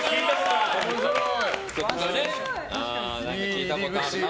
聞いたことある曲。